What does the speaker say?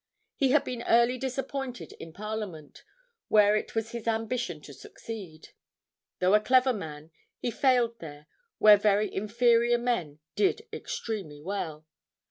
He had been early disappointed in Parliament, where it was his ambition to succeed. Though a clever man, he failed there, where very inferior men did extremely well.